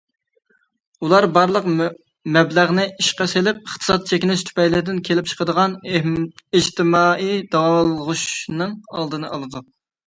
ئۇلار بارلىق مەبلەغنى ئىشقا سېلىپ، ئىقتىساد چېكىنىش تۈپەيلىدىن كېلىپ چىقىدىغان ئىجتىمائىي داۋالغۇشنىڭ ئالدىنى ئالىدۇ.